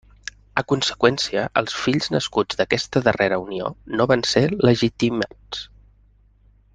A conseqüència els fills nascuts d'aquesta darrera unió no van ser legitimats.